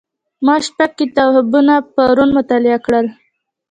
ما شپږ کتابونه پرون مطالعه کړل.